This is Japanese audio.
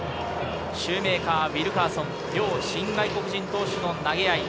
シューメーカー、ウィルカーソン、両新外国人投手との投げ合い。